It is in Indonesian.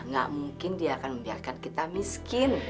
gak mungkin dia akan membiarkan kita miskin